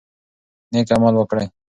نیک عمل وکړئ.